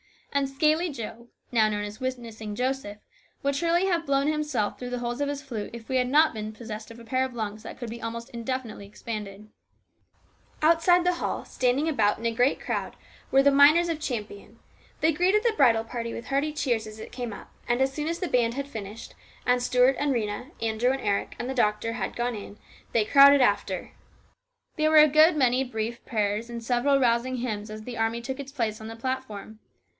And " Scaly Joe," now known as "Witnessing Joseph," would surely have blown himself through the holes of his flute if he had not been possessed of a pair of lungs that could be almost indefinitely expanded. 282 HIS BROTHER'S KEEPER. Outside the hall, standing about in a great crowd, were the miners of Champion. They greeted the little bridal party with hearty cheers as it came up, and as soon as the band had finished, and Stuart and Rhena, Andrew and Eric and the doctor had gone in, they crowded after, filling up the old room until it could not hold another person. There were a good many brief prayers and several rousing hymns as the army took its place on the platform.